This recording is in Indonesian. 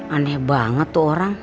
aneh banget tuh orang